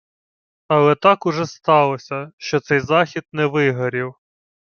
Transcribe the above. Але так уже сталося, що цей захід «не вигорів»